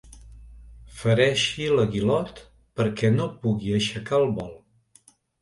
Fereixi l'aguilot perquè no pugui aixecar el vol.